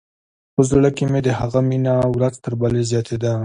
په زړه کښې مې د هغه مينه ورځ تر بلې زياتېدله.